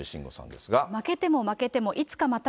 負けても負けても、いつかまた。